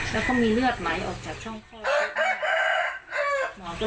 แล้วเขามีเลือดไหลออกจากช่องคลอดของเขาอีกหนึ่ง